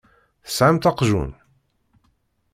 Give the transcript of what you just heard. Tesɛamt aqjun?